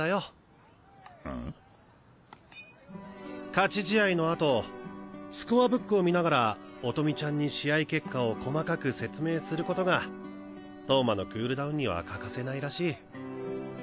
勝ち試合の後スコアブックを見ながら音美ちゃんに試合結果を細かく説明することが投馬のクールダウンには欠かせないらしい。